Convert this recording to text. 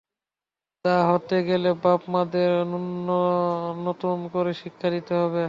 তা হতে গেলে বাপ-মাদেরও নূতন করে শিক্ষা দিতে হবে।